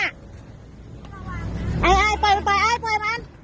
เค้าเก็บคนที่ไข้